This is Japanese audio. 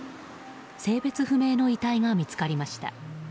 性別不明の遺体が見つかりました。